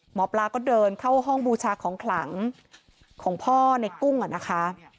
หมอปลาก็เดินเข้าห้องบูชาของขลังของพ่อในกุ้งอ่ะนะคะ